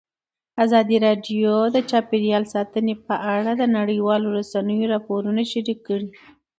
ازادي راډیو د چاپیریال ساتنه په اړه د نړیوالو رسنیو راپورونه شریک کړي.